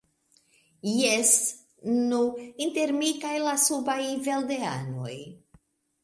Jes, nu, inter mi kaj la subaj evildeanoj.